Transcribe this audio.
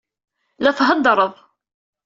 La theddṛeḍ.